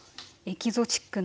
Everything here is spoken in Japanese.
エキゾチック？